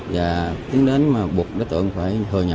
và tiến đến mà buộc đối tượng phải thừa nhận